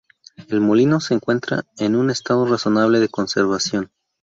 El molino se encuentra en un estado razonable de conservación.